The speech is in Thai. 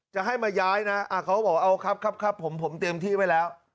เขาบอกว่าเอาครับครับครับผมเตรียมที่ไว้แล้ว